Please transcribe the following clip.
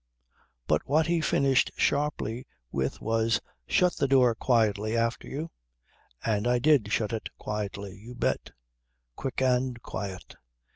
But what he finished sharply with was: "Shut the door quietly after you." And I did shut it quietly you bet. Quick and quiet.